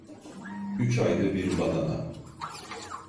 Üç ayda bir badana…